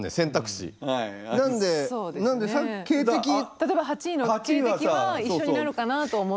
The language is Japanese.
例えば８位の「恵迪」は一緒になるかなと思った。